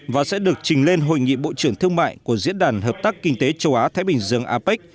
và sẽ được trình lên hội nghị bộ trưởng thương mại của diễn đàn hợp tác kinh tế châu á thái bình dương apec